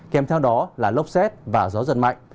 kèm theo đó là lốc xét và gió giật mạnh